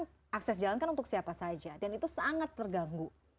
itu akses jalan kan untuk siapa saja dan itu sangat terganggu